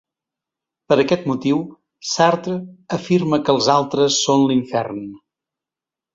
Per aquest motiu, Sartre afirma que els altres són l'infern.